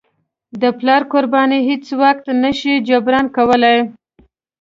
د پلار قرباني هیڅوک نه شي جبران کولی.